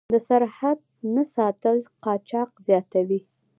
د سرحد نه ساتل قاچاق زیاتوي.